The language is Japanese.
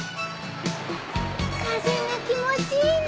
風が気持ちいいね。